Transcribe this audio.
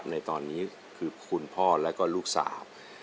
ในตอนนี้คือคุณพ่อแล้วก็ลูกสาว